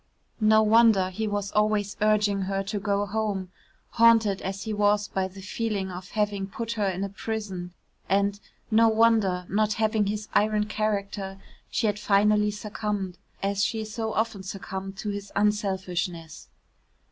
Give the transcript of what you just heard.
No wonder he was always urging her to go home haunted as he was by the feeling of having put her in a prison and, no wonder, not having his iron character, she had finally succumbed as she so often succumbed to his unselfishness.